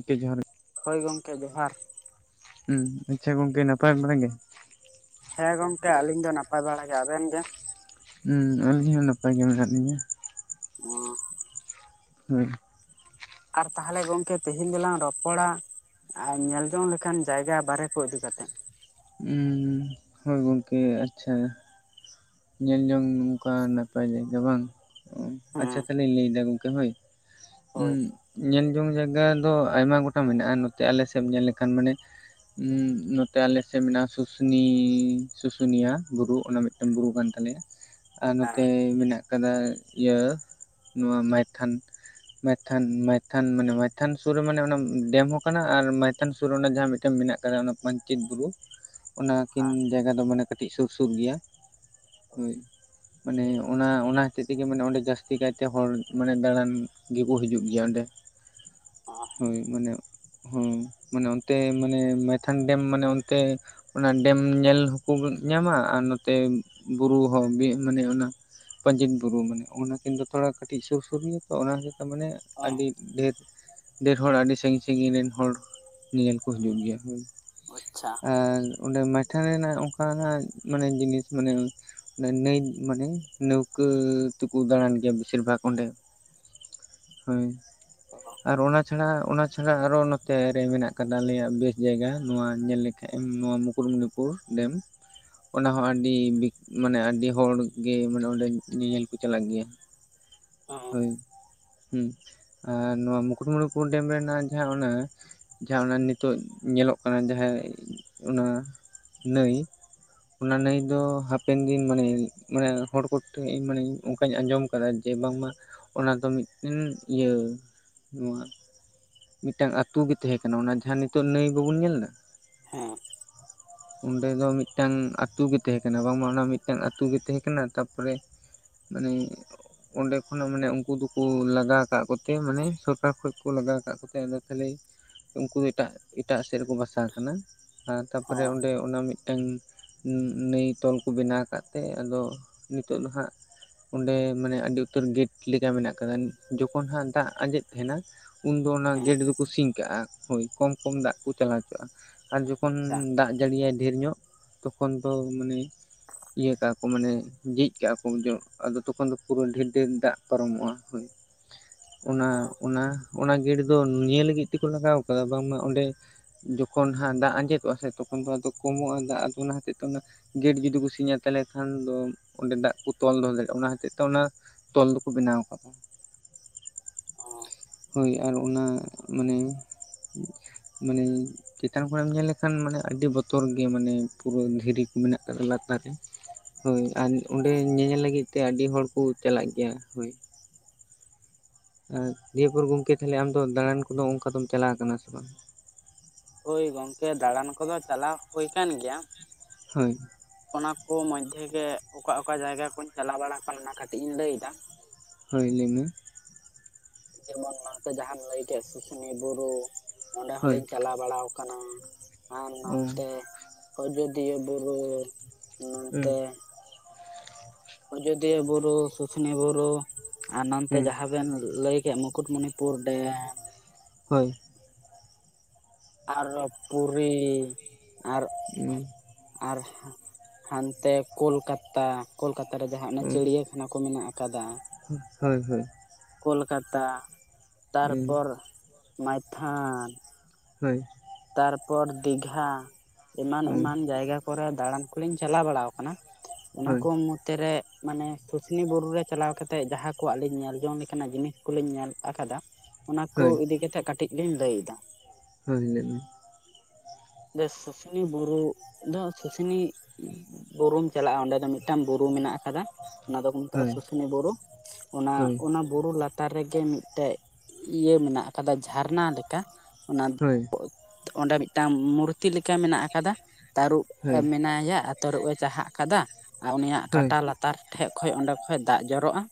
ᱚᱛᱮ ᱡᱷᱟᱨ ᱜᱮ, ᱦᱚᱭ ᱜᱚᱝᱠᱮ ᱡᱚᱸᱦᱟᱨ᱾ ᱦᱚᱸ ᱟᱪᱪᱷᱟ ᱜᱚᱝᱠᱮ ᱱᱟᱯᱟᱭ ᱵᱟᱲᱟ ᱜᱮ,? ᱦᱮᱸ ᱜᱚᱝᱠᱮ ᱟᱹᱞᱤᱧ ᱫᱚ ᱱᱟᱯᱟᱭ ᱵᱟᱲᱟ ᱜᱮ ᱟᱵᱮᱱ ᱜᱮ ᱦᱮᱸ ᱟᱹᱞᱤᱧ ᱦᱚᱸ ᱱᱟᱯᱟᱭ ᱜᱮ ᱢᱮᱱᱟᱜ ᱞᱤᱧᱟᱹ ᱳᱸ ᱦᱳᱭ, ᱟᱨ ᱛᱟᱦᱚᱞᱮ ᱜᱚᱝᱠᱮ ᱛᱮᱦᱮᱧ ᱫᱚᱞᱟᱝ ᱨᱚᱯᱚᱲᱟ, ᱟᱨ ᱧᱮᱞ ᱡᱚᱝ ᱞᱮᱠᱷᱟᱱ ᱡᱟᱭᱜᱟ ᱵᱟᱨᱮ ᱠᱚ ᱤᱫᱤ ᱠᱟᱛᱮᱫ, ᱦᱩᱸ ᱦᱳᱭ ᱜᱚᱢᱠᱮ ᱟᱪᱪᱷᱟ, ᱧᱮᱞ ᱡᱚᱝ ᱱᱚᱝᱠᱟ ᱱᱟᱯᱟᱭ ᱡᱟᱭᱜᱟ ᱵᱟᱝ ᱦᱮᱸ ᱟᱪᱪᱷᱟ ᱛᱟᱦᱚᱞᱮᱧ ᱞᱟᱹᱭ ᱫᱟ ᱜᱚᱝᱠᱮ ᱦᱳᱭ [unintelligible] ᱩᱸᱻ ᱦᱳᱭ ᱧᱮᱞ ᱡᱚᱝ ᱡᱟᱭᱜᱟ ᱫᱚ ᱟᱭᱢᱟ ᱜᱚᱴᱟᱝ ᱢᱮᱱᱟᱜᱼᱟ ᱱᱚᱛᱮ ᱟᱞᱮ ᱥᱮᱫ ᱮᱢ ᱧᱮᱞ ᱞᱮᱠᱷᱟᱱ ᱢᱟᱱᱮ ᱱᱚᱛᱮ ᱟᱞᱮᱥᱮᱱ ᱢᱮᱱᱟᱜᱼᱟ ᱥᱩᱥᱱᱤ ᱥᱩᱥᱩᱱᱤᱭᱟ ᱵᱩᱨᱩ ᱚᱱᱟ ᱢᱤᱫᱴᱟᱝ ᱵᱩᱨᱩ, [unintelligible] ᱟᱨ ᱦᱮᱸ ᱱᱚᱛᱮ ᱢᱮᱱᱟᱜ ᱟᱠᱟᱫᱟ ᱤᱭᱟᱹ ᱱᱚᱣᱟ ᱢᱟᱭᱛᱷᱚᱱ ᱢᱟᱭᱛᱷᱟᱱ ᱢᱟᱭᱛᱷᱟᱱ ᱢᱟᱱᱮ ᱢᱟᱭᱛᱷᱟᱱ ᱥᱩᱨ ᱨᱮ ᱢᱟᱱᱮ ᱚᱱᱟ ᱰᱮᱢ ᱦᱚᱸ ᱠᱟᱱᱟ ᱟᱨ ᱪᱮᱛᱟᱱ ᱥᱩᱨ ᱨᱮ ᱚᱱᱟ ᱡᱟᱦᱟᱸ ᱢᱤᱫᱴᱮᱱ ᱢᱮᱱᱟᱜ ᱟᱠᱟᱫᱟ ᱚᱱᱟ ᱯᱟᱹᱧᱪᱤᱛ ᱵᱩᱨᱩ, ᱚᱱᱟᱠᱤᱱ ᱦᱮᱸ ᱡᱟᱭᱜᱟ ᱫᱚ ᱢᱟᱱᱮ ᱠᱟᱹᱴᱤᱡ ᱥᱩᱨ ᱥᱩᱨ ᱜᱮᱭᱟ ᱦᱳᱭ ᱢᱟᱱᱮ ᱚᱱᱟ ᱚᱱᱟ ᱦᱚᱛᱮᱡ ᱛᱮᱜᱮ ᱢᱟᱱᱮ ᱚᱸᱰᱮ ᱡᱟᱹᱥᱛᱤ ᱠᱟᱭᱛᱮ ᱦᱚᱲ ᱢᱟᱱᱮ ᱫᱟᱬᱟᱱ ᱜᱮᱠᱚ ᱦᱤᱡᱩᱜ ᱜᱮᱭᱟ ᱚᱸᱰᱮ, ᱦᱳᱭ ᱢᱟᱱᱮ ᱦᱳᱸ ᱢᱟᱱᱮ ᱚᱱᱛᱮ ᱢᱟᱱᱮ ᱢᱟᱭᱛᱷᱚᱱ ᱰᱮᱢ ᱢᱟᱱᱮ ᱚᱱᱛᱮ ᱚᱱᱟ ᱰᱮᱢ ᱧᱮᱞ ᱦᱚᱠᱚ ᱧᱟᱢᱟ ᱟᱨ ᱱᱚᱛᱮ ᱵᱩᱨᱩ ᱦᱚᱸ ᱵᱮᱸ ᱢᱟᱱᱮ ᱚᱱᱟ ᱯᱟᱹᱧᱪᱤᱛ ᱵᱩᱨᱩ ᱢᱟᱱᱮ ᱚᱱᱟ ᱠᱤᱱ ᱫᱚ ᱛᱷᱚᱲᱟ ᱠᱟᱹᱴᱤᱡ ᱥᱩᱨ ᱥᱩᱨ ᱜᱮᱭᱟ ᱛᱚ ᱚᱱᱟ ᱦᱚᱛᱮᱡ ᱛᱮ ᱢᱟᱱᱮ ᱟᱹᱰᱤ ᱰᱷᱮᱨ ᱰᱷᱮᱨ ᱦᱚᱲ ᱟᱹᱰᱤ ᱥᱟᱹᱜᱤᱧ ᱥᱟᱹᱜᱤᱧ ᱨᱮᱱ ᱦᱚᱲ ᱧᱮᱧᱮᱞ ᱠᱚ ᱦᱤᱡᱩᱜ ᱜᱮᱭᱟ ᱦᱩᱸ ᱳ ᱟᱪᱪᱷᱟ, ᱟᱨ ᱚᱸᱰᱮ ᱢᱟᱭᱛᱷᱟᱱ ᱨᱮᱱᱟᱜ ᱚᱱᱠᱟᱱᱟᱜ ᱢᱟᱱᱮ ᱡᱤᱱᱤᱥ ᱢᱟᱱᱮ ᱱᱟᱹᱭ ᱢᱟᱱᱮ ᱱᱟᱹᱣᱠᱟᱹ ᱛᱮᱠᱚ ᱫᱟᱬᱟᱱ ᱜᱮᱭᱟ ᱵᱮᱥᱤᱨ ᱵᱷᱟᱜᱽ ᱚᱸᱰᱮ ᱦᱳᱭ ᱟᱨ ᱚᱱᱟ ᱪᱷᱟᱲᱟ ᱚᱱᱟ ᱪᱷᱟᱲᱟ ᱟᱨ ᱦᱚ ᱱᱚᱛᱮ ᱨᱮ ᱢᱮᱱᱟᱜ ᱟᱠᱟᱫᱟ ᱟᱞᱮᱭᱟᱜ ᱵᱮᱥ ᱡᱟᱭᱜᱟ ᱱᱚᱣᱟ ᱧᱮᱞ ᱞᱮᱠᱷᱟᱡ ᱮᱢ ᱱᱚᱣᱟ ᱢᱩᱠᱩᱴ ᱢᱩᱱᱤᱯᱩᱨ, ᱳ ᱰᱮᱢ ᱚᱱᱟ ᱦᱚᱸ ᱟᱹᱰ ᱟᱹᱰᱤ ᱵᱤᱠ ᱢᱟᱱᱮ ᱟᱹᱰᱤ ᱦᱚᱲ ᱜᱮ ᱢᱟᱱᱮ ᱚᱸᱰᱮ ᱧᱮᱧᱮᱞ ᱠᱚ ᱪᱟᱞᱟᱜ ᱜᱮᱭᱟᱹ ᱦᱚᱭ [unintelligible] ᱦᱮᱸ [inaudible] ᱟᱨ ᱱᱚᱶᱟ ᱢᱩᱠᱩᱴ ᱢᱩᱱᱤᱯᱩᱨ ᱰᱮᱢ ᱨᱮᱱᱟᱜ ᱡᱟᱦᱟᱸ ᱚᱱᱟᱹ ᱡᱟᱦᱟᱸ ᱚᱱᱟ ᱱᱤᱛᱚᱜ ᱧᱮᱞᱚᱜ ᱠᱟᱱᱟ ᱡᱟᱦᱟᱸ ᱚᱱᱟ ᱱᱟᱹᱭ, ᱚᱱᱟ ᱱᱟᱹᱭ ᱫᱚ ᱦᱟᱯᱮᱱ ᱫᱤᱱ ᱢᱟᱱᱮ ᱢᱟᱱᱮ ᱦᱚᱲ ᱠᱚ ᱴᱷᱮᱱ ᱤᱧ ᱢᱟᱱᱮᱧ ᱚᱱᱠᱟᱧ ᱟᱸᱡᱚᱢ ᱟᱠᱟᱫᱟ ᱡᱮ ᱵᱟᱝ ᱢᱟ ᱚᱱᱟ ᱫᱚ ᱢᱤᱫᱴᱮᱱ ᱤᱭᱟᱹ ᱱᱚᱣᱟ, ᱢᱤᱫᱴᱟᱝ ᱟᱹᱛᱩ ᱜᱮ ᱛᱟᱦᱮᱸ ᱠᱟᱱᱟ᱾ ᱚᱱᱟ ᱡᱟᱦᱟᱸ ᱱᱤᱛᱚᱜ ᱱᱟᱹᱭ ᱵᱟᱵᱚᱱ ᱧᱮᱞ ᱮᱫᱟ᱾ ᱦᱮᱸ ᱚᱸᱰᱮ ᱫᱚ ᱢᱤᱫ ᱴᱟᱝ ᱟᱹᱛᱩ ᱜᱤ ᱛᱟᱦᱮᱸᱸ ᱠᱟᱱᱟ ᱵᱟᱝᱢᱟ ᱚᱱᱟ ᱢᱤᱫᱴᱟᱝ ᱟᱹᱛᱩ ᱜᱮ ᱛᱟᱦᱮ ᱠᱟᱱᱟ ᱛᱟᱯᱚᱨᱮ ᱢᱟᱱᱮ ᱚᱸᱰᱮ ᱠᱷᱚᱱᱟᱜ ᱢᱟᱱᱮ ᱩᱱᱠᱩ ᱫᱚᱠᱚ ᱞᱟᱜᱟᱣ ᱠᱟᱜ ᱠᱚᱛᱮ ᱢᱟᱱᱮ ᱥᱚᱨᱠᱟᱨ ᱠᱷᱚᱡ ᱠᱚ ᱞᱟᱜᱟᱣ ᱠᱟᱜ ᱠᱚᱛᱮ ᱟᱫᱚ ᱛᱟᱦᱞᱮ ᱩᱱᱠᱩ ᱫᱚ ᱮᱴᱟᱜ ᱮᱴᱟᱜ ᱥᱮᱫ ᱨᱮᱠᱚ ᱵᱟᱥ ᱵᱟᱥᱟ ᱠᱟᱱᱟ ᱛᱟᱯᱚᱨᱮ ᱚᱸᱰᱮ ᱚᱱᱟ ᱢᱤᱫ ᱴᱟᱝ ᱱᱟᱹᱭ ᱛᱚᱞ ᱠᱚ ᱵᱮᱱᱟᱣ ᱟᱠᱟᱫ ᱛᱮ ᱟᱫᱚ ᱱᱤᱛᱚᱜ ᱫᱚ ᱦᱟᱸᱜ ᱚᱸᱰᱮ ᱢᱟᱱᱮ ᱟᱹᱰᱤ ᱩᱛᱟᱹᱨ ᱜᱮᱹᱴ ᱞᱮᱠᱟ ᱢᱮᱱᱟᱜ ᱠᱟᱫᱟ᱾ ᱡᱚᱠᱷᱚᱱ ᱦᱟᱸᱜ ᱫᱟᱜ ᱟᱸᱡᱮᱫ ᱛᱟᱦᱮᱱᱟ ᱩᱱᱫᱚ ᱚᱱᱟ ᱦᱮᱸ ᱜᱮᱴ ᱫᱚᱠᱚ ᱥᱤᱧ ᱠᱟᱜᱼᱟ ᱦᱳᱭ ᱠᱚᱢ ᱠᱚᱢ ᱫᱟᱜ ᱠᱚ ᱪᱟᱞᱟᱣᱼᱟ᱾ ᱟᱨ ᱡᱚᱠᱷᱚᱱ ᱟᱪᱪᱷᱟ ᱫᱟᱜ ᱡᱟᱹᱲᱤᱭᱟᱭ ᱰᱷᱮᱨ ᱧᱚᱜ ᱛᱚᱠᱷᱚᱱ ᱫᱚ ᱢᱟᱱᱮ ᱤᱭᱟᱹ ᱠᱟᱜ ᱢᱟᱱᱮ ᱡᱷᱤᱡ ᱠᱟᱜᱼᱟ ᱠᱚ ᱟᱫᱚ ᱛᱚᱠᱷᱚᱱ ᱫᱚ ᱯᱩᱨᱟᱹ ᱰᱷᱮᱨ ᱰᱷᱮᱨ ᱫᱟᱜ ᱯᱟᱨᱚᱢᱚᱜᱼᱟ ᱦᱳ ᱚᱱᱟ ᱚᱱᱟ ᱚᱱᱟ ᱜᱮᱴ ᱫᱚ ᱱᱤᱭᱟᱹ ᱞᱟᱹᱜᱤᱫ ᱛᱮᱠᱚ ᱞᱟᱜᱟᱣ ᱠᱟᱫᱟ ᱵᱟᱝᱢᱟ ᱚᱸᱰᱮ ᱡᱚᱠᱷᱚᱱᱟᱸ ᱫᱟᱜ ᱟᱸᱡᱮᱫᱚᱜᱼᱟ ᱥᱮ ᱛᱚᱠᱷᱚᱱ ᱫᱚ ᱟ ᱠᱚᱢᱚᱜᱼᱟ ᱫᱟᱜ ᱟ ᱚᱱᱟ ᱦᱚᱛ ᱚᱱᱟ ᱜᱮᱴ ᱡᱩᱫᱤ ᱠᱚ ᱥᱤᱧᱟ ᱛᱟᱦᱚᱞᱮ ᱠᱷᱟᱱ ᱫᱚ ᱚᱸᱰᱮ ᱫᱟᱜ ᱠᱚ ᱛᱚᱞ ᱫᱚᱦᱚ ᱫᱟᱲᱮᱭᱟᱜᱼᱟ᱾ ᱚᱱᱟ ᱦᱚᱛᱮᱡ ᱛᱮ ᱚᱱᱟ ᱛᱚᱞ ᱫᱚᱠᱚ ᱵᱮᱱᱟᱣ ᱟᱠᱟᱫᱟ ᱦᱳ ᱚᱱᱟ ᱢᱟᱱᱮ ᱢᱟᱱᱮ ᱪᱮᱛᱟᱱ ᱠᱷᱮᱢ ᱧᱮᱞ ᱞᱮᱠᱷᱟᱱ ᱢᱟᱱᱮ ᱟᱹᱰᱤ ᱵᱚᱛᱚᱨ ᱜᱮ ᱢᱟᱱᱮ ᱯᱩᱨᱟᱹ ᱫᱷᱤᱨᱤ ᱠᱚ ᱢᱮᱱᱟᱜ ᱟᱠᱟᱫᱟ ᱞᱟᱛᱟᱨ ᱨᱮ ᱦᱳᱭ ᱟᱨ ᱚᱸᱰᱮ ᱧᱮᱧᱮᱞ ᱞᱟᱹᱜᱤᱫ ᱛᱮ ᱟᱹᱰᱤ ᱦᱚᱲ ᱠᱚ ᱪᱟᱞᱟᱜ ᱜᱮᱭᱟ ᱦᱳᱭ᱾ ᱫᱤᱭᱤᱭᱟᱹ ᱯᱚᱨ ᱜᱚᱝᱠᱮ ᱛᱟᱦᱞᱮ ᱟᱢ ᱫᱚ ᱫᱟᱬᱟᱱ ᱠᱚᱫᱚ ᱚᱱᱠᱟ ᱫᱚᱢ ᱪᱟᱞᱟᱣ ᱟᱠᱟᱱᱟ ᱥᱮ ᱵᱟᱝ? ᱦᱳᱭ ᱜᱚᱝᱠᱮ ᱫᱟᱬᱟᱱ ᱠᱚᱫᱚ ᱪᱟᱞᱟᱜ ᱦᱳ ᱠᱟᱱᱟᱱ ᱜᱮᱭᱟ, ᱦᱳᱭ ᱚᱱᱟ ᱠᱚ ᱢᱚᱫᱽᱫᱷᱮ ᱜᱮ ᱚᱠᱟ ᱚᱠᱟ ᱡᱟᱭᱜᱟ ᱠᱩᱧ ᱪᱟᱞᱟᱣ ᱵᱟᱲᱟ ᱟᱠᱟᱱᱟ ᱚᱱᱟ ᱠᱟᱹᱴᱤᱡ ᱤᱧ ᱞᱟᱹᱭ ᱮᱫᱟ᱾ ᱦᱳᱭ ᱞᱟᱹᱭ ᱢᱮ᱾ ᱡᱮᱢᱚᱱ ᱢᱮᱱᱛᱮ ᱡᱟᱦᱟᱢ ᱞᱟᱹᱭ ᱠᱮᱫ ᱥᱩᱥᱩᱱᱤ ᱵᱩᱨᱩ ᱚᱸᱰᱮ ᱦᱚᱞᱤᱧ ᱦᱳᱭ ᱪᱟᱞᱟᱣ ᱵᱟᱲᱟ ᱟᱠᱟᱱᱟ ᱟᱨ ᱚ ᱱᱟᱛᱮ ᱟᱡᱚᱫᱤᱭᱟᱹ ᱵᱩᱨᱩ ᱚᱱᱟ ᱛᱮ ᱦᱩᱸ ᱟᱡᱚᱫᱤᱭᱟᱹ ᱵᱩᱨᱩ, ᱥᱩᱥᱱᱤ ᱵᱩᱨᱩ ᱟᱨ ᱱᱚᱱᱛᱮ ᱦᱩᱸ ᱡᱟᱦᱟᱸ ᱵᱮᱱ ᱞᱟᱹᱭ ᱠᱮᱫ ᱢᱩᱠᱩᱴᱢᱩᱱᱤᱯᱩᱨ ᱰᱮᱢ, ᱦᱳᱭ ᱟᱨ ᱯᱩᱨᱤ ᱟᱨ ᱦᱩᱸ ᱟᱨ ᱦᱟᱱᱛᱮ ᱠᱳᱞᱠᱟᱛᱟ ᱠᱳᱞᱠᱟᱛᱟ ᱨᱮ ᱡᱟᱦᱟᱸ ᱚᱱᱟ ᱦᱩᱸ ᱪᱤᱲᱤᱭᱟᱹ ᱠᱚ ᱢᱮᱱᱟᱜ ᱟᱠᱟᱫᱟ᱾ ᱦᱳᱭ ᱦᱳᱭ ᱠᱳᱞᱠᱟᱛᱟ ᱦᱳᱭ ᱦᱩᱸ ᱛᱟᱨᱯᱚᱨ ᱢᱟᱭᱛᱷᱟᱱ ᱦᱳᱭ ᱛᱟᱨᱯᱚᱨ ᱫᱤᱜᱷᱟ ᱮᱢᱟᱱ ᱦᱩᱸ ᱮᱢᱟᱱ ᱡᱟᱭᱜᱟ ᱠᱚᱨᱮ ᱫᱟᱬᱟᱱ ᱠᱚᱞᱤᱧ ᱪᱟᱞᱟᱣ ᱵᱟᱲᱟ ᱟᱠᱟᱱᱟ ᱚᱱᱟ ᱦᱳᱭ ᱠᱚ ᱢᱚᱫᱽᱫᱷᱮᱨᱮ ᱢᱟᱱᱮ ᱥᱩᱥᱱᱤ ᱵᱩᱨᱩ ᱨᱮ ᱪᱟᱞᱟᱣ ᱠᱟᱛᱮᱫ ᱡᱟᱦᱟᱸ ᱠᱚ ᱟᱹᱞᱤᱧ ᱧᱮᱞ ᱡᱚᱝ ᱞᱮᱠᱟᱱᱟᱜ ᱡᱤᱱᱤᱥ ᱠᱚᱞᱤᱧ ᱧᱮᱞ ᱟᱠᱟᱫᱟ ᱚᱱᱟ ᱠᱚ ᱦᱳᱭ ᱤᱫᱤᱠᱟᱛᱜ ᱠᱟᱹᱴᱤᱡ ᱞᱤᱧ ᱞᱟᱹᱭ ᱮᱫᱟ᱾ ᱦᱳᱭ ᱦᱤᱞᱟᱹᱜ ᱢᱮ ᱥᱩᱥᱤᱱᱤ ᱵᱩᱨᱩ ᱫᱚ ᱥᱩᱥᱤᱱᱤ ᱵᱩᱨᱩᱢ ᱪᱟᱞᱟᱜᱼᱟ ᱚᱸᱰᱮ ᱫᱚ ᱢᱤᱫ ᱴᱟᱝ ᱵᱩᱨᱩ ᱢᱮᱱᱟᱜ ᱟᱠᱟᱫᱟ ᱚᱱᱟ ᱫᱚᱠᱚ ᱢᱮᱛᱟᱜ ᱦᱳᱭ ᱥᱩᱥᱤᱱᱤ ᱵᱩᱨᱩ ᱚᱱᱟ ᱦᱳᱭ ᱚᱱᱟ ᱵᱩᱨᱩ ᱞᱟᱛᱟᱨ ᱨᱮᱜᱮ ᱢᱤᱫᱴᱮᱡ ᱤᱭᱟᱹ ᱢᱮᱱᱟᱜ ᱟᱠᱟᱫᱟ ᱡᱷᱟᱨᱱᱟ ᱞᱮᱠᱟ, ᱚᱱᱟ ᱦᱳᱭ ᱚᱸᱰᱮ ᱢᱤᱫ ᱴᱟᱝ ᱢᱩᱨᱛᱤ ᱞᱮᱠᱟ ᱢᱮᱱᱟᱜ ᱟᱠᱟᱫᱟ᱾ ᱛᱟᱹᱨᱩᱵᱽ ᱮ ᱦᱳᱭ ᱢᱮᱱᱟᱭᱟ ᱟᱨ ᱛᱟᱹᱨᱩᱵᱽ ᱮ ᱪᱟᱦᱟᱜ ᱠᱟᱫᱟ ᱟᱨ ᱩᱱᱤᱭᱟᱜ ᱦᱳᱭ ᱠᱟᱴᱟ ᱞᱟᱛᱟᱨ ᱛᱟᱨ ᱴᱷᱮᱡ ᱠᱷᱚᱱ ᱚᱸᱰᱮ ᱠᱷ ᱫᱟᱜ ᱡᱚᱨᱚᱜᱼᱟ,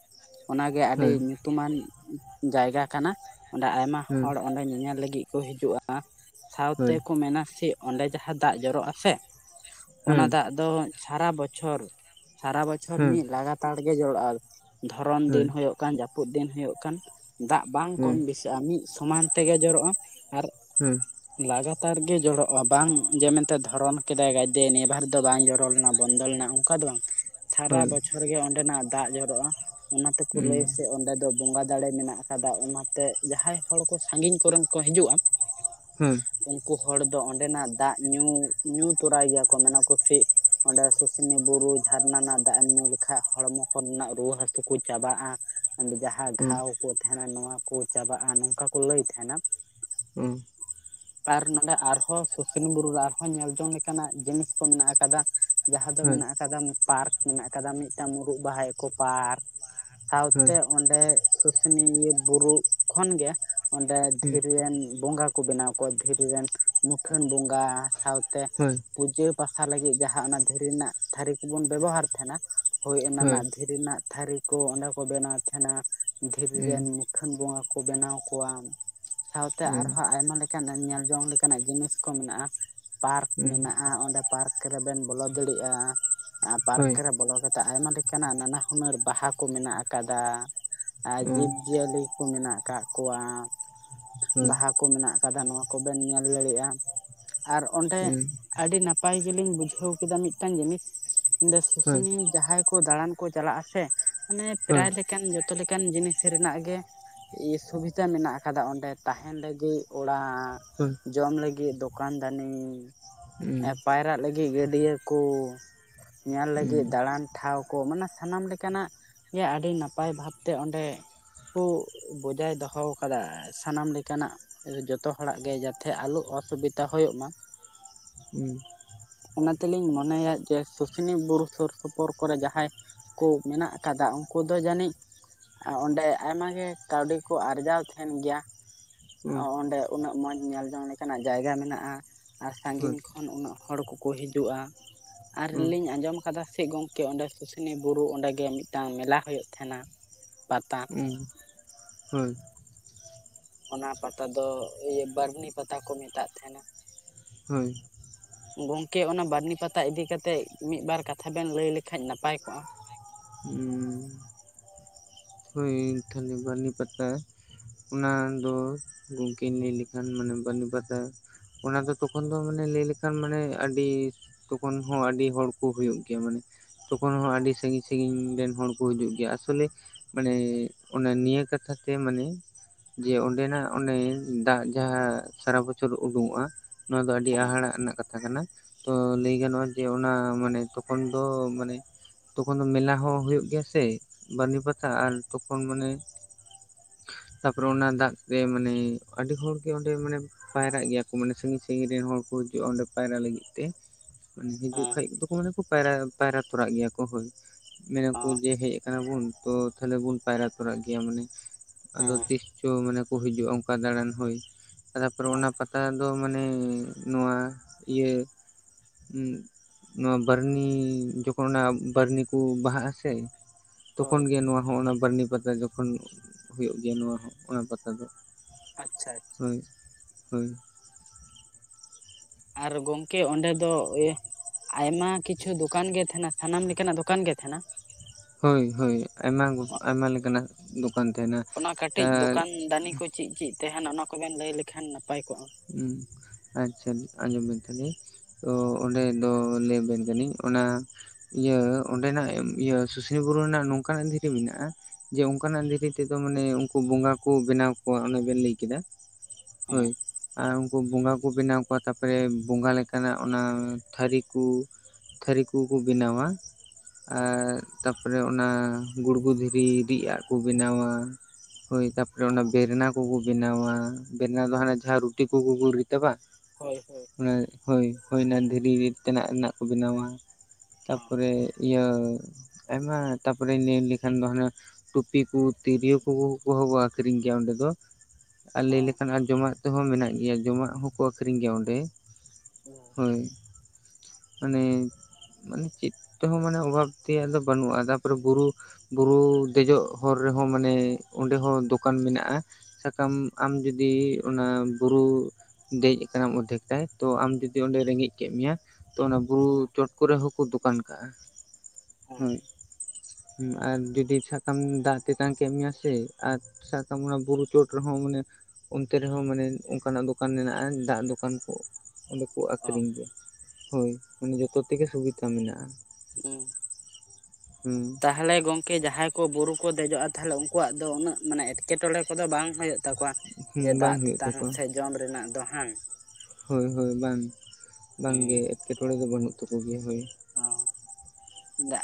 ᱚᱱᱟᱜᱮ ᱟᱹᱰᱤ ᱦᱳᱭ ᱧᱩᱛᱩᱢᱟᱱ ᱡᱟᱭᱜᱟ ᱠᱟᱱᱟ ᱚᱸᱰᱮ ᱟᱭᱢᱟ ᱦᱩᱸ ᱦᱚᱲ ᱚᱸᱰᱮ ᱧᱮᱧᱮᱞ ᱞᱟᱹᱜᱤᱫ ᱠᱚ ᱦᱤᱡᱩᱜᱼᱟ᱾ ᱥᱟᱶᱛᱮ ᱦᱳᱭ ᱠᱚ ᱢᱮᱱᱟ ᱪᱮ ᱚᱸᱰᱮ ᱡᱟᱦᱟᱸ ᱫᱟᱜ ᱡᱚᱨᱚᱜ ᱟᱥᱮ ᱚᱱᱟ ᱦᱩᱸ ᱫᱟᱜ ᱟᱫᱚ ᱥᱟᱨᱟ ᱵᱚᱪᱷᱚᱨ ᱥᱟᱨᱟ ᱵᱚᱪᱷᱚᱨ ᱦᱩᱸ ᱢᱤᱫ ᱞᱟᱜᱟᱛᱟᱲ ᱜᱮ ᱡᱚᱲᱚᱜᱼᱟ [inaudible] ᱫᱷᱚᱨᱚᱱ ᱦᱳᱭ ᱫᱤᱱ ᱦᱳᱭᱳᱜ ᱠᱟᱱ ᱡᱟᱹᱯᱩᱫ ᱫᱤᱱ ᱦᱳᱭᱳᱜ ᱠᱟᱱ ᱫᱟᱜ ᱵᱟᱝ ᱦᱩᱸ ᱦᱩᱸ ᱠᱚᱢ ᱵᱮᱥᱤ ᱢᱤᱫ ᱥᱚᱢᱟᱱ ᱛᱮᱜᱮ ᱡᱚᱨᱚᱜᱼᱟ ᱟᱨ ᱦᱩᱸ [inaudible] ᱞᱟᱜᱟ ᱛᱟᱨ ᱜᱮ ᱡᱚᱨᱚᱜᱼᱟ ᱵᱟᱝ ᱡᱮ ᱢᱮᱱᱛᱮ ᱫᱷᱚᱨᱚᱱ ᱠᱮᱫᱟᱭ ᱜᱟᱭᱫᱮ ᱱᱤᱭᱟᱹ ᱵᱟᱨ ᱫᱚ ᱵᱟᱝ ᱡᱚᱨᱚ ᱞᱮᱱᱟ ᱵᱚᱱᱫᱚ ᱞᱮᱱᱟ ᱚᱱᱠᱟ ᱚᱱᱠᱟ ᱫᱚ ᱵᱟᱝ ᱥᱟᱨᱟ ᱦᱳᱭ ᱦᱩᱸ ᱦᱩᱸ ᱵᱚᱪᱷᱚᱨ ᱜᱮ ᱚᱸᱰᱮᱱᱟᱜ ᱫᱟᱜ ᱡᱚᱨᱚᱜᱼᱟ ᱚᱱᱟ ᱛᱮᱠᱚ ᱞᱟᱹᱭᱟ ᱥᱮ ᱚᱸᱰᱮ ᱵᱚᱸᱜᱟ ᱫᱟᱲᱮ ᱢᱮᱱᱟᱜ ᱟᱠᱟᱫᱟ ᱚᱱᱟᱛᱮ ᱡᱟᱦᱟᱸᱭ ᱦᱚᱲ ᱠᱚ ᱥᱟᱺᱜᱤᱧ ᱠᱚᱨᱮᱱ ᱠᱚ ᱦᱤᱡᱩᱜᱼᱟ ᱦᱩᱸ ᱩᱱᱠᱩ ᱦᱚᱲ ᱫᱚ ᱚᱸᱰᱮᱱᱟᱜ ᱫᱟᱜ ᱧᱩ ᱧᱩ ᱛᱚᱨᱟᱭ ᱜᱮᱭᱟ ᱠᱚ ᱢᱮᱱᱟ ᱠᱚ ᱥᱮᱪ ᱚᱰᱮ ᱥᱩ [inaudible] ᱥᱩᱥᱱᱤ ᱵᱩᱨᱩ ᱡᱷᱟᱨᱱᱟ ᱨᱮᱱᱟᱜ ᱫᱟᱜ ᱮᱢ ᱧᱩ ᱞᱮᱠᱷᱟᱱ ᱦᱚᱲᱢᱚ ᱠᱚᱨᱮᱱᱟᱜ ᱨᱩᱣᱟᱹ ᱦᱟᱹᱥᱩ ᱠᱚ ᱪᱟᱵᱟᱜᱼᱟ ᱡᱟᱦᱟᱸ ᱦᱳᱭ ᱦᱩᱸ ᱦᱳᱭ ᱦᱳᱭ ᱜᱷᱟᱣ ᱠᱚ ᱛᱟᱦᱮᱱᱟ ᱱᱚᱣᱟ ᱠᱚ ᱪᱟᱵᱟᱜᱼᱟ ᱱᱚᱝᱠᱟ ᱠᱚ ᱞᱟᱹᱭ ᱛᱟᱦᱮᱱᱟ ᱦᱩᱸ ᱦᱩᱸ ᱦᱩᱸ ᱟᱨ ᱱᱚᱰᱮ ᱟᱨᱦᱚᱸ ᱥᱩᱥᱩᱱ ᱵᱩᱨᱩ ᱨᱮ ᱟᱨᱦᱚᱸ ᱧᱮᱞ ᱡᱚᱝ ᱞᱮᱠᱟᱱᱟᱜ ᱡᱤᱱᱤᱥ ᱠᱚ ᱢᱮᱱᱟᱜ ᱟᱠᱟᱫᱟ ᱡᱟᱦᱟᱸ ᱫᱚ ᱢᱮᱱᱟᱜ ᱟᱠᱟᱫᱟ ᱯᱟᱨᱠ ᱢᱮᱱᱟᱜ ᱟᱠᱟᱫᱟ ᱢᱤᱫᱴᱟᱝ ᱢᱩᱨᱩᱜ ᱵᱟᱦᱟ ᱮᱠᱚᱳ ᱯᱟᱨᱠ ᱥᱟᱶᱛᱮ ᱦᱳᱭ ᱚᱸᱰᱮ ᱥᱩᱥᱩᱱᱤᱭᱟᱹ ᱵᱩᱨᱩ ᱠᱷᱚᱱᱜᱮ ᱚᱸᱰᱮ ᱫᱷᱤᱨᱤ ᱦᱩᱸ ᱨᱮᱱ ᱵᱚᱸᱜᱟ ᱠᱚ ᱵᱮᱱᱟᱣ ᱠᱚᱣᱟ ᱫᱷᱤᱨᱤ ᱨᱮᱱ ᱢᱩᱴᱷᱟᱹᱱ ᱵᱚᱸᱜᱟ ᱥᱟᱶᱛᱮ ᱯᱩᱡᱟᱹ ᱯᱟᱥᱟ ᱞᱟᱹᱜᱤᱫ ᱡᱟᱦᱟᱸ ᱚᱱᱟ ᱫᱷᱤᱨᱤ ᱨᱮᱱᱟᱜ ᱛᱷᱟᱹᱨᱤ ᱠᱚᱵᱚᱱ ᱵᱮᱵᱚᱦᱟᱨ ᱛᱟᱦᱮᱱᱟ ᱦᱳᱭ ᱚᱱᱟ ᱨᱮᱱᱟᱜ ᱫᱷᱤᱨᱤ ᱨᱮᱱᱟᱜ ᱛᱷᱟᱹᱨᱤ ᱠᱚ ᱚᱸᱰᱮ ᱠᱚ ᱵᱮᱱᱟᱣ ᱛᱟᱦᱮᱱᱟ ᱫᱷᱤᱨᱤ ᱨᱮᱱ ᱦᱳᱭ ᱢᱩᱠᱷᱟᱹᱱ ᱵᱚᱸᱜᱟ ᱠᱚ ᱵᱮᱱᱟᱣ ᱠᱚᱣᱟ ᱥᱟᱶᱛᱮ ᱟᱨᱦᱚᱸ ᱟᱭᱢᱟ ᱞᱮᱠᱟᱱ ᱧᱮᱞ ᱡᱚᱝ ᱞᱮᱠᱟᱱᱟᱜ ᱡᱤᱱᱤᱥ ᱠᱚ ᱢᱮᱱᱟᱜᱼᱟ ᱯᱟᱨᱠ ᱢᱮᱱᱟᱜᱼᱟ ᱚᱸᱰᱮ ᱯᱟᱨᱠ ᱨᱮᱵᱮᱱ ᱵᱚᱞᱚ ᱫᱟᱲᱮᱭᱟᱜᱼᱟ ᱟᱨ ᱯᱟᱨᱠ ᱨᱮ ᱵᱚᱞᱚ ᱠᱟᱛᱮᱜ ᱟᱭᱢᱟ ᱞᱮᱠᱟᱱᱟᱜ ᱱᱟᱱᱟ ᱦᱩᱱᱟᱹᱨ ᱵᱟᱦᱟ ᱠᱚ ᱢᱮᱱᱟᱜ ᱟᱠᱟᱫᱟ ᱟᱨ ᱡᱤᱵᱽ ᱡᱤᱭᱟᱹᱞᱤ ᱠᱚ ᱢᱮᱱᱟᱜ ᱟᱠᱟᱫ ᱠᱚᱣᱟ ᱵᱟᱦᱟ ᱠᱚ ᱢᱮᱱᱟᱜ ᱟᱠᱟᱫᱟ ᱱᱚᱣᱟ ᱠᱚᱵᱮᱱ ᱧᱮᱞ ᱫᱟᱲᱮᱭᱟᱜᱼᱟ ᱟᱨ ᱚᱸᱰᱮ ᱟᱹᱰᱤ ᱱᱟᱯᱟᱭ ᱜᱮᱞᱤᱧ ᱵᱩᱡᱷᱟᱹᱣ ᱠᱮᱫᱟ ᱢᱤᱫᱴᱟᱝ ᱡᱤᱱᱤᱥ ᱚᱰᱮ ᱥᱩᱥᱩᱱᱤᱭᱟᱹ ᱡᱟᱦᱟᱸᱭ ᱠᱚ ᱫᱟᱬᱟᱱ ᱠᱚ ᱪᱟᱞᱟᱜ ᱟᱥᱮ ᱢᱟᱱᱮ ᱯᱨᱟᱭ ᱞᱮᱠᱟ ᱠᱟᱱ ᱡᱚᱛᱚ ᱞᱮᱠᱟᱱ ᱡᱤᱱᱤᱥ ᱨᱮᱱᱟᱜ ᱜᱤ ᱥᱩᱵᱤᱫᱷᱟ ᱢᱮᱱᱟᱜ ᱟᱠᱟᱫᱟ ᱚᱸᱰᱮ ᱛᱟᱦᱮᱱ ᱞᱟᱹᱜᱤᱫ ᱚᱲᱟᱜ ᱦᱩᱸ ᱦᱳᱭ ᱦᱳᱭ ᱦᱳᱭ ᱡᱚᱢ ᱞᱟᱹᱜᱤᱫ ᱫᱚᱠᱟᱱ ᱫᱟᱹᱱᱤ ᱦᱩᱸ ᱯᱟᱭᱨᱟᱜ ᱞᱟᱹᱜᱤᱫ ᱜᱟᱹᱰᱭᱟᱹ ᱠᱚ ᱧᱮᱞ ᱦᱳᱭ ᱞᱟᱹᱜᱤᱫ ᱫᱟᱬᱟᱱ ᱴᱷᱟᱶ ᱠᱚ ᱢᱟᱱᱮ ᱥᱟᱱᱟᱢ ᱞᱮᱠᱟᱱᱟᱜ ᱜᱮ ᱟᱹᱰᱤ ᱱᱟᱯᱟᱭ ᱵᱷᱟᱵᱛᱮ ᱚᱸᱰᱮ ᱠᱚ ᱵᱚᱡᱟᱭ ᱫᱚᱦᱚᱣ ᱠᱟᱫᱟ ᱥᱟᱱᱟᱢ ᱞᱮᱠᱟᱱᱟᱜ ᱡᱚᱛᱚ ᱦᱚᱲᱟᱜ ᱜᱮ ᱡᱟᱛᱮ ᱟᱞᱚ ᱚᱥᱩᱵᱤᱫᱟ ᱦᱳᱭᱳᱜ ᱢᱟ ᱦᱩᱸ ᱚᱱᱟ ᱛᱮᱞᱤᱧ ᱢᱚᱱᱮᱭᱟ ᱡᱮ ᱥᱩᱥᱩᱱᱤ ᱵᱩᱨᱩ ᱥᱩᱨᱩ ᱥᱳᱨ ᱥᱳᱯᱳᱨ ᱠᱚᱨᱮ ᱡᱟᱦᱟᱸᱭ ᱠᱚ ᱢᱮᱱᱟᱜ ᱟᱠᱟᱫᱟ ᱩᱱᱠᱩ ᱫᱚ ᱡᱟᱹᱱᱤᱡ ᱟᱨ ᱚᱸᱰᱮ ᱟᱭᱢᱟ ᱜᱮ ᱠᱟᱹᱣᱰᱤ ᱠᱚ ᱟᱨᱡᱟᱣ ᱛᱟᱦᱮᱱ ᱜᱮᱭᱟ ᱚᱸᱰᱮ ᱩᱱᱟᱹᱜ ᱢᱚᱸᱡᱽ ᱧᱮᱞ ᱡᱚᱝ ᱞᱮᱠᱟᱱᱟᱜ ᱡᱟᱭᱜᱟ ᱢᱮᱱᱟᱜᱼᱟ ᱟᱨ ᱥᱟᱺᱜᱤᱧ ᱠᱷᱚᱱ ᱩᱱᱟᱹᱜ ᱦᱚᱲ ᱠᱚ ᱠᱚ ᱦᱤᱡᱩᱜᱼᱟ ᱟᱨ ᱞᱤᱧ ᱟᱸᱡᱚᱢ ᱟᱠᱟᱫᱟ ᱪᱮᱫ ᱜᱚᱝᱠᱮ ᱚᱸᱰᱮ ᱥᱩᱥᱩᱱᱤ ᱵᱩᱨᱩ ᱚᱸᱰᱮ ᱜᱮ ᱢᱤᱫᱴᱟᱝ ᱢᱮᱞᱟ ᱦᱩᱭᱩᱜ ᱛᱟᱦᱮᱸᱱᱟ ᱯᱟᱛᱟ [unintelligible] ᱚᱱᱟ ᱯᱟᱛᱟ ᱫᱚ ᱤᱭᱟᱹ ᱵᱟᱹᱨᱱᱤ ᱯᱟᱛᱟ ᱠᱚ ᱢᱮᱛᱟᱜ ᱛᱟᱦᱮᱱᱟ ᱦᱳᱭ ᱜᱚᱝᱠᱮ ᱚᱱᱟ ᱵᱟᱹᱨᱱᱤ ᱯᱟᱛᱟ ᱤᱫᱤ ᱠᱟᱛᱮᱫ ᱢᱤᱫ ᱵᱟᱨ ᱠᱟᱛᱷᱟ ᱵᱮᱱ ᱞᱟᱹᱭ ᱞᱮᱠᱷᱟᱡ ᱱᱟᱯᱟᱭ ᱠᱚᱜᱼᱟ [unintelligible] ᱦᱳᱭ ᱛᱟᱦᱚᱞᱮ ᱵᱟᱹᱨᱱᱤ ᱯᱟᱛᱟ ᱚᱱᱟ ᱫᱚ ᱜᱚᱢᱠᱮᱧ ᱞᱟᱹᱭ ᱞᱮᱠᱷᱟᱱ ᱢᱟᱱᱮ ᱵᱟᱹᱨᱱᱤ ᱯᱟᱛᱟ ᱚᱱᱟ ᱫᱚ ᱛᱚᱠᱷᱚᱱ ᱫᱚ ᱢᱟᱱᱮ ᱞᱟᱹᱭ ᱞᱮᱠᱷᱟᱱ ᱢᱟᱱᱮ ᱟᱹᱰᱤ ᱛᱚᱠᱷᱚᱱ ᱦᱚᱸ ᱟᱹᱰᱤ ᱦᱚᱲᱠᱚ ᱦᱩᱭᱩᱜ ᱜᱮᱭᱟ ᱢᱟᱱᱮ᱾ ᱛᱚᱠᱷᱚᱱ ᱦᱚᱸ ᱟᱹᱰᱤ ᱥᱟᱸᱹᱜᱤᱧ ᱥᱟᱸᱹᱜᱤᱧ ᱨᱮᱱ ᱦᱚᱲ ᱠᱚ ᱦᱤᱡᱩᱜ ᱜᱮᱭᱟ ᱟᱥᱚᱞᱮ ᱢᱟᱱᱮ ᱚᱱᱟ ᱱᱤᱭᱟᱹ᱾ ᱠᱟᱛᱷᱟ ᱛᱮ ᱢᱟᱱᱮ ᱡᱮ ᱚᱸᱰᱮᱱᱟᱜ ᱚᱱᱮ ᱫᱟᱜ ᱡᱟᱦᱟᱸ ᱥᱟᱨᱟ ᱵᱚᱪᱷᱚᱨ ᱩᱰᱩᱝ-ᱚᱜ ᱟ ᱱᱚᱣᱟ ᱫᱚ ᱟᱹᱰᱤ ᱦᱮᱸ ᱦᱟᱦᱟᱲᱟᱜ ᱨᱮᱱᱟᱜ ᱠᱟᱛᱷᱟ ᱠᱟᱱᱟ ᱛᱚ ᱞᱟᱹᱭ ᱜᱟᱱᱚᱜ-ᱟ ᱡᱮ ᱚᱱᱟ ᱢᱟᱱᱮ ᱛᱚᱠᱷᱚᱱ ᱫᱚ ᱢᱟᱱᱮ᱾ ᱛᱚᱠᱷᱚᱱ ᱫᱚ ᱢᱮᱞᱟ ᱦᱚᱸ ᱦᱳᱭᱳᱜ ᱜᱮᱭᱟ ᱥᱮ, ᱵᱟᱹᱨᱱᱤ ᱯᱟᱛᱟ ᱟᱨ ᱛᱚᱠᱷᱚᱱ ᱢᱟᱱᱮ ᱛᱟᱯᱚᱨᱮ ᱚᱱᱟ ᱫᱟᱜ ᱛᱮ ᱢᱟᱱᱮ ᱟᱹᱰᱤ ᱦᱚᱲ ᱜᱮ ᱚᱸᱰᱮ ᱢᱟᱱᱮ ᱯᱟᱭᱨᱟᱜ ᱜᱮᱭᱟ ᱠᱚ ᱢᱟᱱᱮ ᱥᱟᱸᱹᱜᱤᱧ ᱥᱟᱸᱹᱜᱤᱧ ᱨᱮᱱ ᱦᱚᱲ ᱠᱚ ᱦᱤᱡᱩᱜ-ᱟ ᱚᱸᱰᱮ ᱯᱟᱭᱨᱟᱜ ᱞᱟᱹᱜᱤᱫ ᱛᱮ ᱢᱟᱱᱮ ᱦᱤᱡᱩᱜ ᱦᱮᱸ ᱠᱷᱟᱡ ᱫᱚ ᱠᱚ ᱢᱟᱱᱮ ᱯᱟᱭᱨᱟ ᱯᱟᱭᱨᱟ ᱛᱚᱨᱟᱜ ᱜᱮᱭᱟ ᱠᱚ ᱦᱳᱭ᱾ ᱢᱮᱱᱟᱠᱚ ᱦᱮᱸ ᱡᱮ ᱦᱮᱡ ᱠᱟᱱᱟ ᱵᱚᱱ ᱛᱚ ᱛᱟᱦᱚᱞᱮ ᱵᱚᱱ ᱯᱟᱭᱨᱟ ᱛᱚᱨᱟᱜ ᱜᱮᱭᱟ ᱢᱟᱱᱮ ᱟᱫᱚ ᱦᱮᱸ ᱛᱤᱥ ᱪᱚ ᱢᱟᱱᱮᱠᱩ ᱦᱤᱡᱩᱜ-ᱟ ᱚᱱᱠᱟ ᱫᱟᱲᱟᱱ ᱦᱳᱭ ᱛᱟᱯᱚᱨᱮ ᱚᱱᱟ ᱯᱟ ᱱᱮᱛᱟᱨ ᱫᱚ ᱢᱟᱱᱮ ᱱᱚᱣᱟ ᱤᱭᱟᱹ ᱩᱸᱜ ᱱᱚᱣᱟ ᱵᱟᱨᱱᱤ ᱡᱚᱠᱷᱚᱱ ᱚᱱᱟ ᱵᱟᱨᱱᱤ ᱠᱚ ᱵᱟᱦᱟᱜ ᱟᱥᱮ ᱦᱳᱭ ᱛᱚᱠᱷᱚᱱ ᱜᱮ ᱱᱚᱣᱟ ᱦᱚᱸ ᱚᱱᱟ ᱵᱟᱹᱨᱱᱤ ᱯᱟᱛᱟ ᱡᱚᱠᱷᱚᱱ ᱦᱩᱭᱩᱜ ᱜᱮᱭᱟ ᱱᱚᱣᱟ ᱦᱚᱸ ᱚᱱᱟ ᱯᱟᱛᱟ ᱫᱚ᱾ ᱟᱪᱪᱷᱟ ᱟᱪᱪᱷᱟ᱾ ᱦᱳᱭ ᱦᱳᱭ ᱟᱨ ᱜᱚᱢᱠᱮ ᱚᱸᱰᱮ ᱫᱚ ᱤᱭᱟᱹ ᱟᱭᱢᱟ ᱠᱤᱪᱷᱩ ᱫᱚᱠᱟᱱ ᱜᱮ ᱛᱟᱦᱮᱱᱟ ᱥᱟᱱᱟᱢ ᱞᱮᱠᱟᱱᱟᱜ ᱫᱚᱠᱟᱱ ᱜᱮ ᱛᱟᱦᱮᱱᱟ- ᱦᱳᱭ ᱦᱳᱭ ᱟᱭᱢᱟ ᱟᱭᱢᱟ ᱞᱮᱠᱟᱱᱟᱜ ᱫᱚᱠᱟᱱ ᱛᱟᱦᱮᱱᱟ᱾ ᱚᱱᱟ ᱛᱟ ᱠᱟᱹᱴᱤᱡ ᱫᱚᱠᱟᱱ ᱫᱟᱱᱤ ᱠᱚ ᱪᱮᱫ ᱪᱮᱫ ᱛᱟᱦᱮᱱᱟ ᱚᱱᱟ ᱠᱚ ᱵᱮᱱ ᱞᱟᱹᱭ ᱞᱮᱠᱷᱟᱱ ᱱᱟᱯᱟᱭ ᱠᱚᱜ-ᱟ᱾ ᱩᱸ ᱟᱪᱪᱷᱟ ᱟᱸᱡᱚᱢ ᱵᱮᱱ ᱛᱟᱦᱚᱞᱮ ᱛᱚ ᱚᱸᱰᱮ ᱫᱚ ᱞᱟᱹᱭ ᱟᱵᱮᱱ ᱠᱟᱹᱱᱟᱹᱧ ᱚᱱᱟ᱾ ᱤᱭᱟᱹ ᱚᱸᱰᱮᱱᱟᱜ ᱤᱭᱟᱹ ᱥᱩᱥᱱᱤ ᱵᱩᱨᱩ ᱨᱮᱱᱟᱜ ᱱᱚᱝᱠᱟᱱᱟᱜ ᱫᱷᱤᱨᱤ ᱢᱮᱱᱟᱜᱼᱟ᱾ ᱡᱮ ᱚᱱᱠᱟᱱᱟᱜ ᱫᱷᱤᱨᱤ ᱛᱮᱫᱚ ᱢᱟᱱᱮ ᱩᱱᱠᱩ ᱵᱚᱸᱜᱟ ᱠᱚ ᱵᱮᱱᱟᱣ ᱠᱚᱣᱟ ᱚᱱᱮ ᱵᱮᱱ ᱞᱟᱹᱭ ᱠᱮᱫᱟ᱾ ᱦᱮᱸ ᱦᱳᱭ᱾ ᱟᱨ ᱩᱱᱠᱩ ᱵᱚᱸᱜᱟ ᱠᱚ ᱵᱮᱱᱟᱣ ᱠᱚᱣᱟ ᱛᱟᱨᱯᱚᱨᱮ ᱵᱚᱸᱜᱟ ᱞᱮᱠᱟᱱᱟᱜ ᱚᱱᱟ ᱛᱷᱟᱹᱨᱤ ᱠᱚ ᱛᱷᱟᱹᱨᱤ ᱠᱚᱠᱚ ᱵᱮᱱᱟᱣᱟ ᱦᱮᱸ ᱟᱨ ᱛᱟᱯᱚᱨᱮ ᱚᱱᱟ ᱜᱩᱲᱜᱩ ᱫᱷᱤ ᱨᱤ ᱤᱫ ᱟᱜ ᱠᱚ ᱵᱮᱱᱟᱣᱟ ᱦᱳᱭ ᱛᱟᱯᱚᱨᱮ ᱚᱱᱟ ᱵᱮᱨᱮᱱᱟ ᱠᱚᱠᱚ ᱵᱮᱱᱟᱣᱟ᱾ ᱵᱮᱠᱱᱟ ᱫᱚ ᱦᱟᱱᱮ ᱡᱟᱦᱟᱸ ᱨᱩᱴᱤ ᱠᱚ ᱠᱩ ᱠᱩ ᱨᱤᱛᱟ ᱵᱟ᱾ ᱦᱳᱭ ᱦᱳᱭ᱾ ᱚᱱᱟ ᱦᱳᱭ ᱦᱳᱭ ᱚᱱᱟ ᱫᱷᱤᱨᱤ ᱨᱤᱫ ᱛᱮᱱᱟᱜ ᱨᱮᱱᱟᱜ ᱠᱚ ᱵᱮᱱᱟᱣᱟ᱾ ᱛᱟᱯᱚᱨᱮ ᱤᱭᱟᱹ ᱟᱭᱢᱟ ᱛᱟᱯᱚᱨᱮ ᱞᱟᱹᱭ ᱞᱮᱠᱷᱟᱱ ᱫᱚ ᱦᱟᱱᱮ᱾ ᱴᱩᱯᱤ ᱠᱚ ᱛᱤᱨᱭᱳ ᱠᱚ ᱠᱚᱦᱚᱸ ᱠᱚ ᱟᱹᱠᱷᱨᱤᱧ ᱜᱮᱭᱟ ᱚᱸᱰᱮ ᱫᱚ ᱟᱨ ᱞᱟᱹᱭ ᱦᱚᱸ ᱞᱮᱠᱷᱟᱱ ᱡᱚᱢᱟᱜ ᱛᱮᱦᱚᱸ ᱢᱮᱱᱟᱜ ᱜᱮᱭᱟ ᱡᱚᱢᱟᱜ ᱦᱚᱸᱠᱚ ᱟᱹᱠᱷᱨᱤᱧ ᱜᱮᱭᱟ ᱚᱸᱰᱮ᱾ ᱦᱮᱸ ᱦᱳᱭ ᱢᱟᱱᱮ ᱢᱟᱱᱮ ᱪᱮᱫ ᱛᱮᱦᱚᱸ ᱢᱟᱱᱮ ᱚᱵᱷᱟᱵ ᱛᱮᱭᱟᱜ ᱫᱚ ᱵᱟᱹᱱᱩᱜᱼᱟ᱾ ᱛᱟᱨᱯᱚᱨᱮ ᱵᱩᱨᱩ ᱵᱩᱨᱩ ᱫᱮᱡᱚᱜ ᱦᱚᱨ ᱨᱮᱦᱚᱸ ᱢᱟᱱᱮ ᱚᱸᱰᱮ ᱦᱚᱸ ᱫᱚᱠᱟᱱ ᱢᱮᱱᱟᱜᱼᱟ᱾ ᱥᱟᱠᱟᱢ ᱟᱢ ᱡᱩᱫᱤ ᱚᱱᱟ ᱵᱩᱨᱩ ᱫᱮᱡ ᱟᱠᱟᱱᱟᱢ ᱚᱨᱫᱷᱮᱠ ᱴᱟᱭ ᱛᱚ ᱟᱢ ᱡᱩᱫᱤ ᱚᱱᱰᱮ ᱨᱮᱸᱜᱮᱡ ᱠᱮᱫ ᱢᱮᱭᱟ ᱛᱚ ᱚᱱᱟ ᱵᱩᱨᱩ ᱪᱚᱴ ᱠᱚᱨᱮ ᱦᱚᱸᱠᱚ ᱫᱚᱠᱟᱱ ᱠᱟᱜᱼᱟ? ᱦᱮᱸ᱾ ᱦᱩᱸ ᱟᱨ ᱡᱩᱫᱤ ᱥᱟᱵ ᱠᱟᱜ ᱢᱮ ᱫᱟᱜ ᱛᱮᱛᱟᱝ ᱠᱮᱫ ᱢᱮᱭᱟ ᱥᱮ ᱟᱨ ᱥᱟᱵ ᱠᱟᱜ ᱢᱮ ᱚᱱᱟ ᱵᱩᱨᱩ ᱪᱚᱴ ᱨᱮᱦᱚᱸ ᱢᱟᱱᱮ ᱚᱱᱛᱮ ᱨᱮᱦᱚᱸ ᱢᱟᱱᱮ ᱚᱱᱠᱟᱱᱟᱜ ᱫᱚᱠᱟᱱ ᱢᱮᱱᱟᱜ-ᱟ ᱫᱟᱜ ᱫᱚᱠᱟᱱ ᱠᱚ ᱚᱸᱰᱮ ᱠᱚ ᱟᱹᱠᱷᱨᱤᱧ ᱜᱮᱭᱟ ᱦᱳᱭ᱾ ᱢᱟᱱᱮ ᱡᱚᱛᱚ ᱛᱮᱜᱮ ᱥᱩᱵᱤᱛᱟ ᱢᱮᱱᱟᱜ-ᱟ᱾ ᱦᱩᱸ ᱛᱟ ᱛᱟᱦᱚᱞᱮ ᱜᱚᱢᱠᱮ ᱡᱟᱦᱟᱸᱭ ᱠᱚ ᱵᱩᱨᱩ ᱠᱚ ᱫᱮᱡᱚᱜ-ᱟ ᱛᱟᱦᱚᱞᱮ ᱩᱱᱠᱩᱣᱟᱜ ᱫᱚ ᱩᱱᱟᱹᱜ ᱢᱟᱱᱮ ᱮᱴᱠᱮᱴᱚᱲᱮ ᱠᱚᱫᱚ ᱵᱟᱝ ᱦᱳᱭᱳᱜ ᱛᱟᱠᱚᱣᱟ ᱡᱮ ᱵᱟᱝ ᱫᱟᱜ ᱦᱩᱭᱩᱜ ᱛᱮᱛᱟᱝ ᱛᱟᱠᱚᱣᱟ ᱥᱮ ᱡᱚᱢ ᱨᱮᱱᱟᱜ ᱫᱚ ᱦᱟᱝ ᱦᱳᱭ ᱦᱳᱭ ᱵᱟᱝ ᱵᱟᱝ ᱜᱮ ᱮᱸᱴᱠᱮᱴᱚᱲᱮ ᱫᱚ ᱵᱟᱹᱱᱩᱜ ᱛᱟᱠᱚ ᱜᱮᱭᱟ ᱦᱳᱭ᱾ ᱦᱮᱸ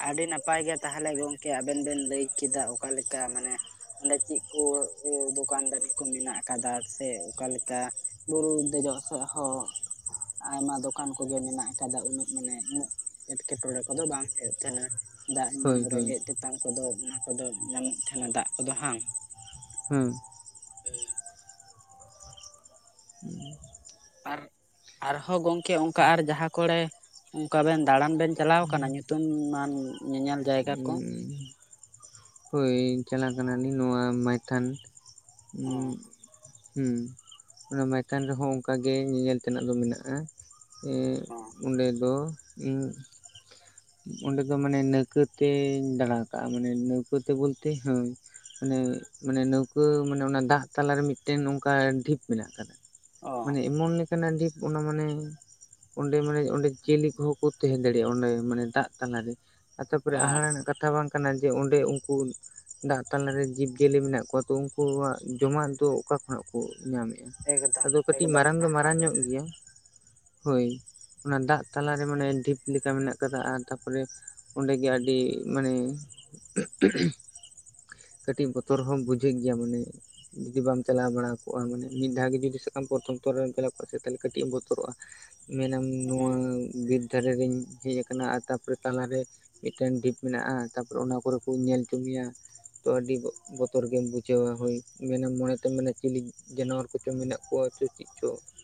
ᱟᱹᱰᱤ ᱱᱟᱯᱟᱭ ᱜᱮ ᱛᱟᱦᱚᱞᱮ ᱜᱚᱝᱠᱮ ᱟᱵᱮᱱ ᱵᱮᱱ ᱞᱟᱹᱭ ᱠᱮᱫᱟ ᱚᱠᱟ ᱞᱮᱠᱟ ᱢᱟᱱᱮ᱾ ᱚᱸᱰᱮ ᱪᱮᱫ ᱠᱚ ᱫᱚᱠᱟᱱ ᱫᱟᱨᱤ ᱠᱚ ᱢᱮᱱᱟᱜ ᱟᱠᱟᱫᱟ ᱥᱮ ᱚᱠᱟᱞᱮᱠᱟ ᱵᱩᱨᱩ ᱫᱮᱡᱚᱜ ᱥᱮᱫ ᱦᱚᱸ ᱟᱭᱢᱟ ᱫᱚᱠᱟᱱ ᱠᱚᱜᱮ ᱢᱮᱱᱟᱜ ᱟᱠᱟᱫᱟ᱾ ᱩᱱᱟᱹᱜ ᱢᱟᱱᱮ ᱩᱱᱟᱹᱜ ᱮᱸᱴᱠᱮᱴᱚᱬᱮ ᱠᱚᱫᱚ ᱵᱟᱝ ᱦᱮᱡ ᱟᱠᱟᱱᱟ᱾ ᱫᱟᱜ ᱧᱩ ᱦᱳᱭ ᱦᱳᱭ ᱨᱮᱸᱜᱮᱡ ᱛᱮᱛᱟᱝ ᱠᱚᱫᱚ ᱟᱫᱚ ᱧᱟᱢᱚᱜ ᱛᱟᱦᱮᱱᱟ ᱫᱟᱜ ᱠᱚᱫᱚ ᱦᱟᱝ? ᱦᱩᱸ᱾ [unintelligible] [inaudible] ᱟᱨ, ᱟᱨᱦᱚᱸ ᱜᱚᱝᱠᱮ ᱚᱱᱠᱟ ᱟᱨ ᱡᱟᱦᱟᱸ ᱠᱚᱨᱮ ᱚᱱᱠᱟ ᱵᱮᱱ ᱫᱟᱬᱟᱱ ᱵᱮᱱ ᱪᱟᱞᱟᱣ ᱟᱠᱟᱱᱟ᱾ ᱧᱩᱛᱩᱢᱟᱱ ᱧᱮᱧᱮᱞ ᱡᱟᱭᱜᱟ ᱠᱚ? ᱦᱳᱭ ᱪᱟᱞᱟᱜ ᱠᱟᱱᱟᱞᱤᱧ᱾ ᱱᱚᱣᱟ ᱢᱚᱭᱛᱷᱟᱱ, ᱚ ᱦᱮᱸ ᱚᱱᱟ ᱢᱟᱭᱛᱷᱚᱱ ᱨᱮᱦᱚᱸ ᱚᱱᱠᱟ ᱜᱮ ᱧᱮᱧᱮᱞ ᱛᱮᱱᱟᱜ ᱫᱚ ᱢᱮᱱᱟᱜᱼᱟ᱾ ᱦᱮᱸ ᱚ ᱚᱸᱰᱮ ᱫᱚ ᱤᱧ ᱚᱸᱰᱮ ᱫᱚ ᱢᱟᱱᱮ ᱱᱟᱹᱣᱠᱟᱹ ᱛᱤᱧ ᱫᱟᱬᱟᱣ ᱠᱟᱜᱼᱟ ᱢᱟᱱᱮ ᱱᱟᱹᱣᱠᱟᱹᱛᱮ ᱵᱚᱞᱛᱮ ᱦᱮᱸ ᱢᱟᱱᱮ ᱢᱟᱱᱮ ᱱᱟᱹᱣᱠᱟᱹ ᱢᱟᱱᱮ ᱚᱱᱟ ᱫᱟᱜ ᱛᱟᱞᱟᱨᱮ ᱢᱤᱫᱴᱮᱱ ᱚᱱᱠᱟ ᱰᱷᱤᱯ ᱢᱮᱱᱟᱜ ᱟᱠᱟᱫᱟ᱾ ᱚ ᱢᱟᱱᱮ ᱮᱢᱚᱱ ᱠᱟᱱᱟ ᱰᱷᱤᱯ ᱚᱱᱟ ᱢᱟᱱᱮ ᱚᱸᱰᱮ ᱢᱟᱱᱮ ᱚᱸᱰᱮ ᱡᱤᱭᱟᱹᱞᱤ ᱠᱚᱦᱚᱸ ᱠᱚ ᱛᱟᱦᱮᱸ ᱫᱟᱲᱮᱭᱟᱜᱼᱟ ᱚᱸᱰᱮ ᱢᱟᱱᱮ ᱫᱟᱜ ᱛᱟᱞᱟᱨᱮ ᱛᱟᱨᱯᱚᱨᱮ ᱚ ᱦᱟᱦᱟᱲᱟᱜ ᱨᱮᱱᱟᱜ ᱠᱟᱛᱷᱟ ᱵᱟᱝ ᱠᱟᱱᱟ᱾ ᱡᱮ ᱚᱸᱰᱮ ᱩᱱᱠᱩ ᱫᱟᱜ ᱛᱟᱞᱟᱨᱮ ᱡᱤᱵᱽ ᱡᱤᱭᱟᱹᱞᱤ ᱢᱮᱱᱟᱜ ᱠᱚᱣᱟ᱾ ᱛᱚ ᱩᱱᱠᱩᱣᱟᱜ ᱡᱚᱢᱟᱜ ᱫᱚ ᱚᱠᱟ ᱠᱷᱚᱱᱟᱜ ᱠᱚ ᱧᱟᱢᱮᱫᱼᱟ? ᱮᱠᱫᱚᱢ ᱟᱫᱚ ᱠᱟᱹᱴᱤᱡ ᱮᱠᱫᱚᱢ ᱢᱟᱨᱟᱝ ᱫᱚ ᱦᱟᱦᱟᱲᱟᱜ ᱢᱟᱨᱟᱝ ᱧᱚᱜ ᱠᱟᱛᱷᱟ ᱜᱮᱭᱟ᱾ ᱦᱳᱭ᱾ ᱚᱱᱟ ᱫᱟᱜ ᱛᱟᱞᱟᱨᱮ ᱢᱟᱱᱮ ᱰᱷᱤᱯ ᱞᱮᱠᱟ ᱢᱮᱱᱟᱜ ᱟᱠᱟᱫᱟ᱾ ᱟᱨ ᱛᱟᱯᱚᱨᱮ ᱚᱸᱰᱮ ᱜᱮ ᱟᱹᱰᱤ ᱢᱟᱱᱮ [inaudible] ᱠᱟᱹᱴᱤᱡ ᱵᱚᱛᱚᱨ ᱦᱚᱸ ᱵᱩᱡᱷᱟᱹᱜ ᱜᱮᱭᱟ᱾ ᱢᱟᱱᱮ ᱡᱩᱫᱤ ᱵᱟᱢ ᱪᱟᱞᱟᱣ ᱵᱟᱲᱟ ᱠᱚᱜᱼᱟ ᱢᱟᱱᱮ ᱢᱤᱫ ᱫᱷᱟᱣ ᱜᱮ ᱡᱩᱫᱤ ᱥᱟ ᱟᱢ ᱯᱨᱚᱛᱷᱚᱢ ᱛᱚᱨᱟ ᱨᱮᱢ ᱪᱟᱞᱟᱣ ᱠᱚᱜᱼᱟ ᱥᱮ ᱛᱟᱦᱚᱞᱮ ᱠᱟᱹᱴᱤᱡ ᱮᱢ ᱵᱚᱛᱚᱨᱚᱜᱼᱟ᱾ ᱢᱮᱱᱟᱢ ᱱᱚᱣᱟ ᱦᱮᱸ ᱵᱤᱨ ᱫᱷᱟᱨᱮ ᱨᱮᱧ ᱦᱮᱡ ᱟᱠᱟᱱᱟ᱾ ᱟᱨ ᱛᱟ [unintelligible] ᱛᱟᱞᱟᱨᱮ ᱢᱤᱫᱴᱮᱱ ᱰᱷᱤᱯ ᱢᱮᱱᱟᱜᱼᱟ᱾ ᱛᱟᱯᱚᱨᱮ ᱚᱱᱟ ᱠᱚᱨᱮ ᱠᱚ ᱧᱮᱞᱪᱚᱝ ᱢᱮᱭᱟ ᱛᱚ ᱟᱹᱰᱤ ᱵᱚᱛᱚᱨ ᱜᱮᱢ ᱵᱩᱡᱷᱟᱹᱣᱟ᱾ ᱦᱳᱭ ᱢᱮᱱᱟᱢ ᱢᱚᱱᱮᱛᱮᱢ ᱢᱮᱱᱟ ᱪᱤᱞᱤ ᱡᱟᱱᱣᱟᱨ ᱠᱚᱪᱚ ᱢᱮᱱᱟᱜ ᱠᱚᱣᱟ ᱪᱚ ᱪᱮᱫ ᱪᱚ